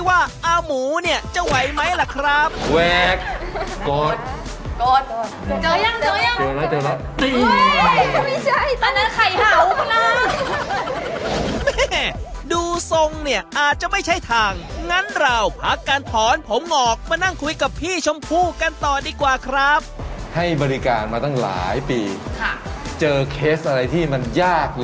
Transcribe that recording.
อ่ะฮะลองดูสิว่าอ้าวหมูจะไหวไหมล่ะครับ